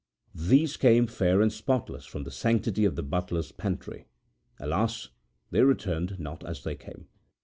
These came fair and spotless from the sanctity of the butler's pantry. Alas! they returned not as they came.